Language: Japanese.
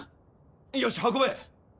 よし運べ。